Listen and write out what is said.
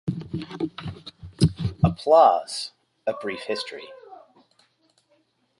Alplaus, a Brief History.